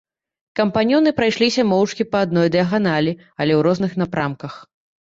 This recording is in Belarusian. Кампаньёны прайшліся моўчкі па адной дыяганалі, але ў розных напрамках.